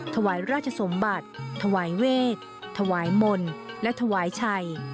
ถวายราชสมบัติถวายเวทถวายมนต์และถวายชัย